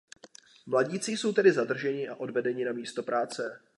Mladíci jsou tedy zadrženi a odvedeni na místo práce.